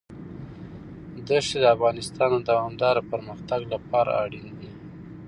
دښتې د افغانستان د دوامداره پرمختګ لپاره اړین دي.